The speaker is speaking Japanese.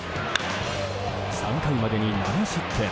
３回までに７失点。